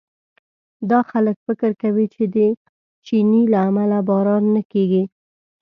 دا خلک فکر کوي چې د چیني له امله باران نه کېږي.